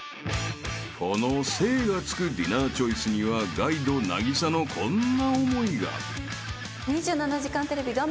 ［この精がつくディナーチョイスにはガイド凪咲のこんな思いが］